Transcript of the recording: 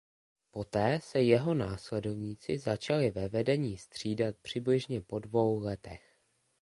Poté se jeho následovníci začali ve vedení střídat přibližně po dvou letech.